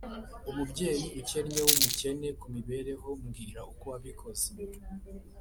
umubyeyi ukennye wumukene kumibereho, mbwira uko wabikoze